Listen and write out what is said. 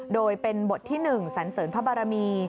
โดยเป็นบทที่หนึ่งสรรเสริญพระบารมี